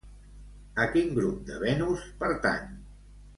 A quin grup de Venus pertany?